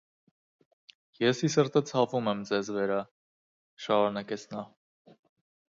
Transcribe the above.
Ես ի սրտե ցավում եմ ձեզ վերա, - շարունակեց նա: